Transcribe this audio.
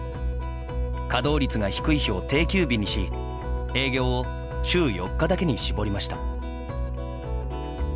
稼働率が低い日を定休日にし営業を週４日だけに絞りました。